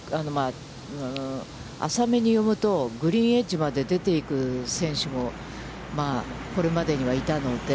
浅めに読むと、グリーンエッジまで出ていく選手も、これまでにはいたので。